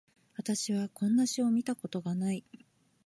私はこんな詩を見たことがない